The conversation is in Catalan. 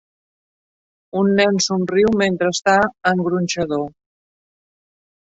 Un nen somriu mentre està en gronxador.